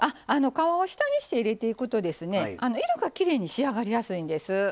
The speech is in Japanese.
皮を下にして入れていくとですね色がきれいに仕上がりやすいんです。